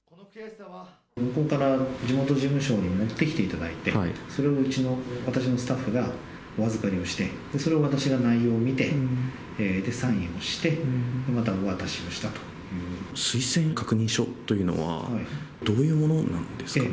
向こうから地元事務所に持ってきていただいて、それをうちの、私のスタッフがお預かりをして、それを私が内容を見て、サインをして、推薦確認書というのは、どういうものなんですか。